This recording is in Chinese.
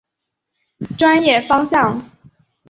专业方向。